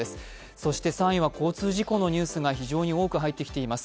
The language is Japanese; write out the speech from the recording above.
そして３位は交通事故のニュースが非常に多く入ってきています。